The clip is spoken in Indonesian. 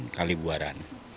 dengan kali buaran